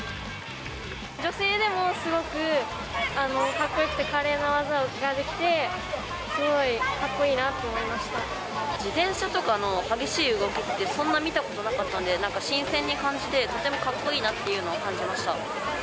女性でもすごくかっこよくて華麗な技ができて、すごいかっこ自転車とかの激しい動きってそんな見たことなかったんで、なんか新鮮に感じて、とてもかっこいいなというのを感じました。